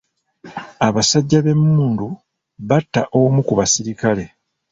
Abasajja b'emmundu batta omu ku basirikale.